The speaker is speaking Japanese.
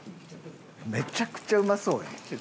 めちゃくちゃうまそうやん。